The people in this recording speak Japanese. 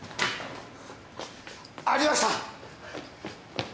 ありました。